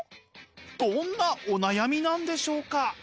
どんなお悩みなんでしょうか？